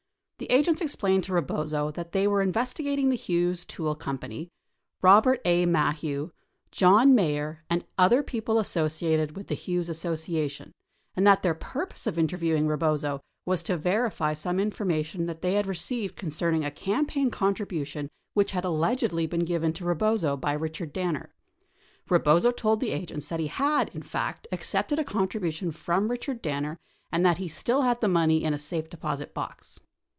The agents explained to Rebozo that they were investigating the Hughes Tool Co., Robert A. Maheu, John Meier, and other people associated with the Hughes association, and that their purpose of interviewing Rebozo was to verify some informa tion that they had received concerning a campaign contribution which had allegedly been given to Rebozo by Richard Danner. Rebozo told the agents that he had, in fact, accepted a contribution from Richard Danner and that he still had the money in a safe deposit box.